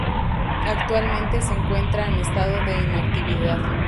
Actualmente se encuentra en estado de inactividad.